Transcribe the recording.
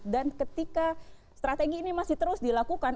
ketika strategi ini masih terus dilakukan